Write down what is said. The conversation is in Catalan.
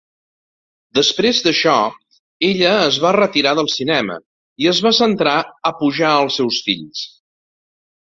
Després d'això, ella es va retirar del cinema i es va centrar a pujar el seus fills.